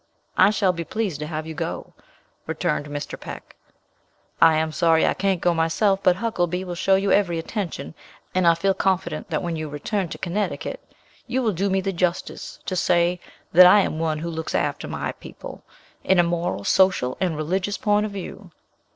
"I shall be pleased to have you go," returned Mr. Peck. "I am sorry I can't go myself, but Huckelby will show you every attention; and I feel confident that when you return to Connecticut, you will do me the justice to say, that I am one who looks after my people, in a moral, social, and religious point of view."